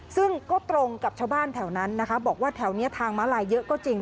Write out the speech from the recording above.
ซึ่งก็ตรงกับชาวบ้านแถวนั้นนะคะบอกว่าแถวนี้ทางม้าลายเยอะก็จริง